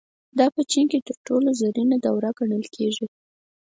دا په چین کې تر ټولو زرینه دوره ګڼل کېږي.